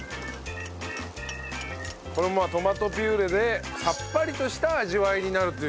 これまあトマトピューレでさっぱりとした味わいになるという。